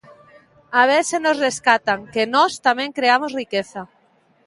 A ver se nos rescatan, que nós tamén creamos riqueza.